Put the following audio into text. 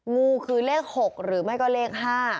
งูคือเลข๖หรือไม่ก็เลข๕